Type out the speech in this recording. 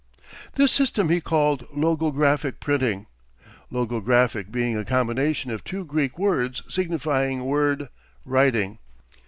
This system he called logographic printing, logographic being a combination of two Greek words signifying word writing.